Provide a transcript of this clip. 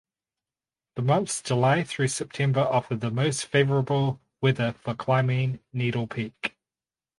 The months July through September offer the most favorable weather for climbing Needle Peak.